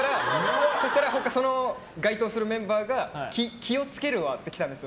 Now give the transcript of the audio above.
そうしたらその該当するメンバーが「気お付けるわ」って来たんだよ。